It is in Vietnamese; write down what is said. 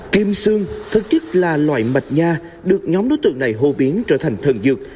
kim xương thất chức là loại mật nha được nhóm đối tượng này hô biến trở thành thần dược